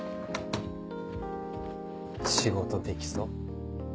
仕事できそう。